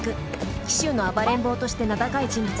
紀州の「暴れん坊」として名高い人物です。